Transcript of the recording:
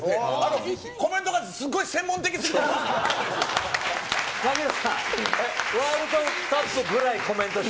コメントがすごい専門的すぎて。